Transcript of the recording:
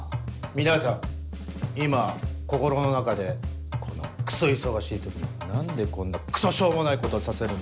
皆さん今心の中で「このクソ忙しい時に何でこんなクソしょうもないことをさせるんだ